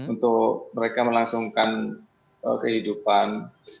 untuk mereka melangsungkan kehidupan